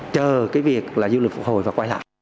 chờ việc du lịch phục hồi và quay lại